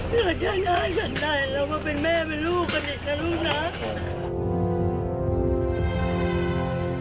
เราจะน้อยฝันใดเรามาเป็นแม่เป็นลูกกันอีกนะลูกหนา